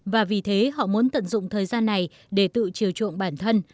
và vì thế họ muốn tận dụng thời gian này để tự chiều chuộng bản thân